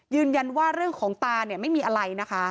ยืนยันว่าเรื่องของตาไม่มีอะไรนะคะ